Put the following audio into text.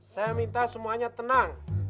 saya minta semuanya tenang